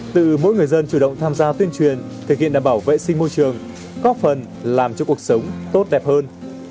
tự mỗi người dân chủ động tham gia tuyên truyền thực hiện đảm bảo vệ sinh môi trường góp phần làm cho cuộc sống tốt đẹp hơn